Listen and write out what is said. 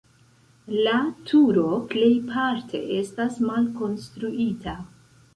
La turo plejparte estas malkonstruita.